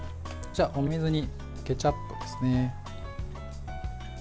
お水にケチャップですね。